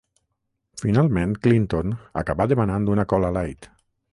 Finalment Clinton acabà demanant una cola light.